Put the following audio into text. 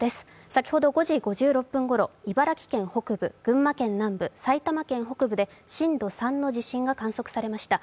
先ほど５時５６分ごろ、茨城県北部、群馬県南部埼玉県北部で震度３の地震が観測されました。